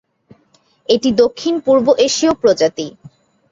এটি দক্ষিণ পূর্ব-এশীয় প্রজাতি।